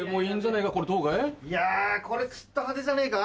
いやぁこれちっと派手じゃねえか？